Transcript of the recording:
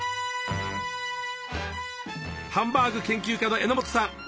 ハンバーグ研究家の榎本さん。